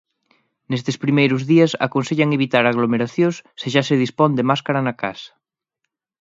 Nestes primeiros días aconsellan evitar aglomeracións se xa se dispón de máscara na casa.